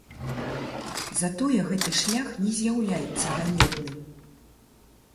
Затое гэты шлях не з'яўляецца ганебным.